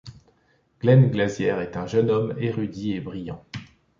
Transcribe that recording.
Glen Glasier est un jeune homme érudit et brillant.